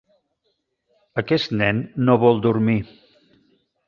Aquest nen no vol dormir.